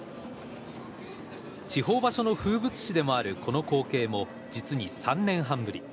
地方場所の風物詩でもあるこの光景も実に３年半ぶり。